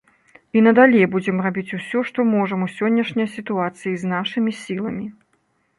І надалей будзем рабіць усё, што можам у сённяшняй сітуацыі і з нашымі сіламі.